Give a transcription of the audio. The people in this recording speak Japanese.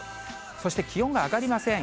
そして、気温が上がりません。